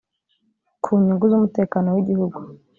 ku nyungu z umutekano w igihugu